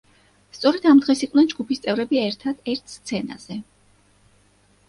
სწორად ამ დღეს იყვნენ ჯგუფის წევრები ერთად ერთ სცენაზე.